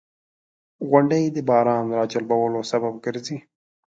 • غونډۍ د باران راجلبولو سبب ګرځي.